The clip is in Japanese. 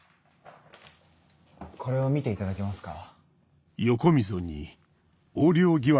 これを見ていただけますか？